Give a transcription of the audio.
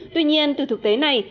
tuy nhiên từ thực tế này